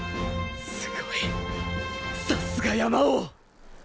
すごいさすが「山王」！！